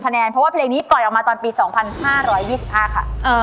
แนนเพราะว่าเพลงนี้ปล่อยออกมาตอนปี๒๕๒๕ค่ะ